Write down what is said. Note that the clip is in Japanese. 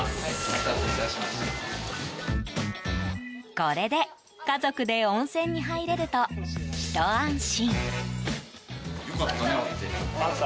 これで家族で温泉に入れるとひと安心。